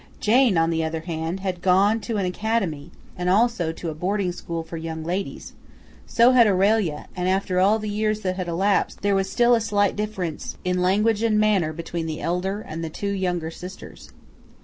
Jane, on the other hand, had gone to an academy, and also to a boarding school for young ladies; so had Aurelia; and after all the years that had elapsed there was still a slight difference in language and in manner between the elder and the two younger sisters.